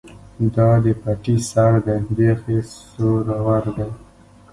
ـ دا دې پټي سر دى ،بېخ يې سورور دى.